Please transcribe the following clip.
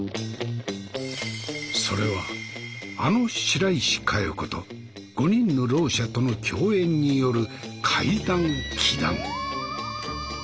それはあの白石加代子と５人のろう者との共演による怪談・奇談。